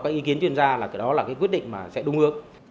các ý kiến chuyên gia là cái đó là cái quyết định mà sẽ đúng ước